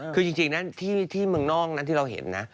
คือจริงนะที่เมืองนอกนั้นที่เราเห็นนะ